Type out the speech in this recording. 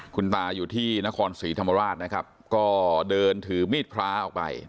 คุณตาอยู่ที่นครศรีธรรมราชนะครับก็เดินถือมีดพระออกไป